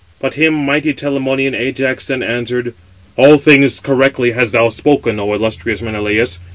But him mighty Telamonian Ajax then answered: "All things correctly hast thou spoken, O illustrious Menelaus.